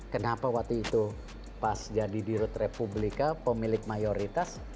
kenapa waktu itu pas jadi dirut republika pemilik mayoritas